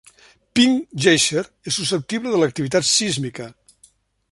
Pink Geyser és susceptible a l'activitat sísmica.